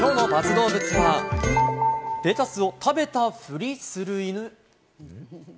どうぶつは、レタスを食べたフリする犬。